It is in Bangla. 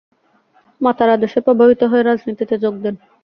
মাতার আদর্শে প্রভাবিত হয়ে রাজনীতিতে যোগ দেন।